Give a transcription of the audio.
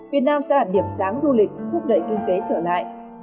việt nam sẽ là điểm sáng du lịch thúc đẩy kinh tế trở lại